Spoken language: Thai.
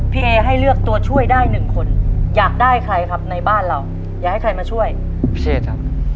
เอให้เลือกตัวช่วยได้หนึ่งคนอยากได้ใครครับในบ้านเราอยากให้ใครมาช่วยพี่เชษครับ